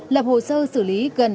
lập hồ sơ xử lý gần hai trăm linh